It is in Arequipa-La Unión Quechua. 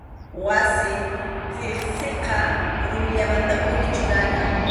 Wasi tiqsiqa rumillamantapunim churana.